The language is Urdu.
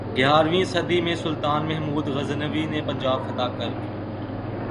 گیارہویں صدی میں سلطان محمود غزنوی نے پنجاب فتح کرک